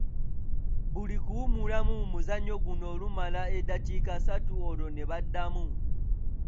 Buli kuwummulamu mu muzannyo guno lumala eddakiika ssatu olwo ne baddamu.